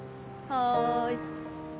はい。